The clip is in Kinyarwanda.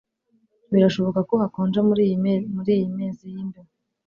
Birashoboka ko hakonje muriyi mezi yimbeho